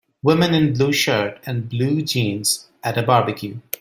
Woman in blue shirt and blue jeans at a barbecue